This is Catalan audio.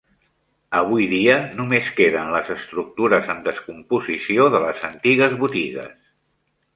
Avui dia només queden les estructures en descomposició de les antigues botigues.